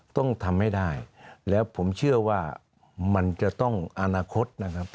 ต้องทำให้ได้แล้วผมเชื่อว่ามันจะต้องอนาคตนะครับ